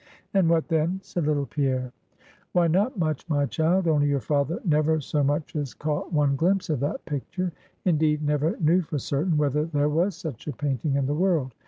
"And what then?" said little Pierre. "Why not much, my child; only your father never so much as caught one glimpse of that picture; indeed, never knew for certain, whether there was such a painting in the world.